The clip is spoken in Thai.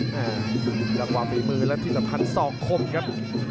หลังวางฝีมือและที่สำทัด๒คมครับ